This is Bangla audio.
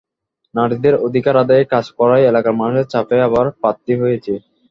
নারীদের অধিকার আদায়ে কাজ করায় এলাকার মানুষের চাপে আবার প্রার্থী হয়েছি।